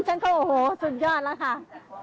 ฉันก็โอ้โหสุดยอดแล้วค่ะ